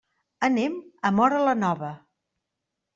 Anem a Móra la Nova.